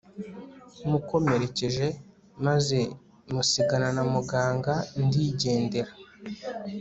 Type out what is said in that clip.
mukomerekeje maze musigana na muganga ndigendera